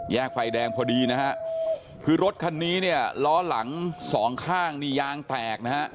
ไฟแดงพอดีนะฮะคือรถคันนี้เนี่ยล้อหลังสองข้างนี่ยางแตกนะฮะ